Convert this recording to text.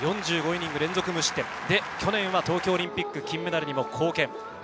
４５イニング連続無失点で去年は東京オリンピック金メダルにも貢献。